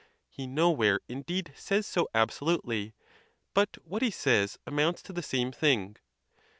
He nowhere, in deed, says so absolutely; but what he says amounts to the same thing.